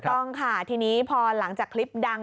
ต้องค่ะทีนี้พอหลังจากคลิปดัง